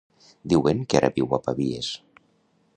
Diuen que ara viu a Pavies.